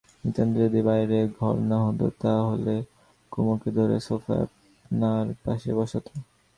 নিতান্ত যদি বাইরের ঘর না হত তা হলে কুমুকে ধরে সোফায় আপনার পাশে বসাত।